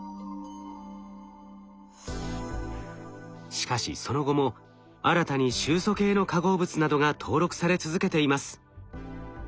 しかしその後も新たに臭素系の化合物などが登録され続けています。